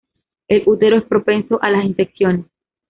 El útero es propenso a las infecciones.